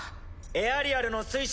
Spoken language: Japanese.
エアリアルの推進